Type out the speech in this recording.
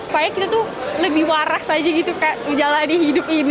kayaknya kita tuh lebih waras aja gitu kayak menjalani hidup ini